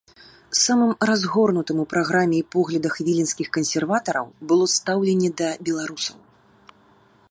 Самым разгорнутым у праграме і поглядах віленскіх кансерватараў было стаўленне да беларусаў.